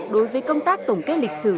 đối với công tác tổng kết lịch sử